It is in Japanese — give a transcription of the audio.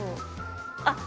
あっ！